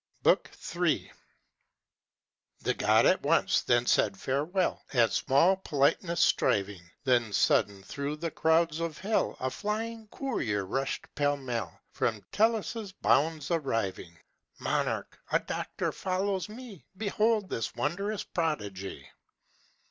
BOOK III. The god at once, then, said farewell, At small politeness striving; When sudden through the crowds of hell A flying courier rushed pell mell, From Tellus' bounds arriving. "Monarch! a doctor follows me! Behold this wondrous prodigy!"